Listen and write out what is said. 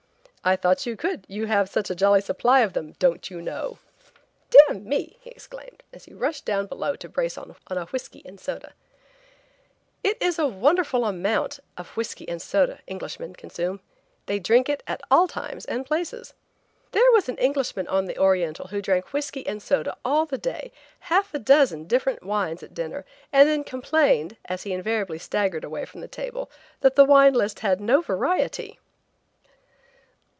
"I thought you could, you have such a jolly supply of them, 'don't you know.' " "Deah me!" he exclaimed, as he rushed down below to brace on a whiskey and soda. It is wonderful the amount of whiskey and soda Englishmen consume. They drink it at all times and places. There was an Englishman on the Oriental who drank whiskey and soda all the day, half a dozen different wines at dinner, and then complained, as he invariably staggered away from the table, that the wine list had no variety!